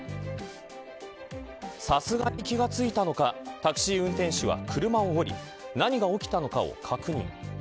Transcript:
さすがに気が付いたのかタクシー運転手は車を降り何が起きたのかを確認。